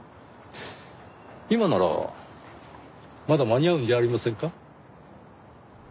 今ならまだ間に合うんじゃありませんか？